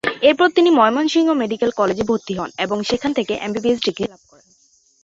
এরপর তিনি ময়মনসিংহ মেডিক্যাল কলেজে ভর্তি হন এবং সেখান থেকে এমবিবিএস ডিগ্রী লাভ করেন।